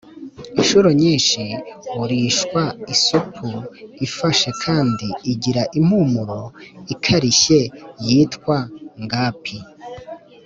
Incuro nyinshi urishwa isupu ifashe kandi igira impumuro ikarishye yitwa ngapi